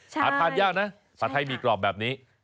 ผัดไทยเยอะนะผัดไทยมีกรอบแบบนี้